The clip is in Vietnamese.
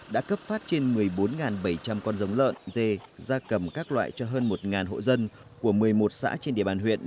đã cấp phát trên một mươi bốn bảy trăm linh con giống lợn dê da cầm các loại cho hơn một hộ dân của một mươi một xã trên địa bàn huyện